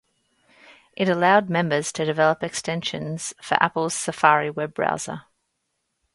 It allowed members to develop extensions for Apple's Safari web browser.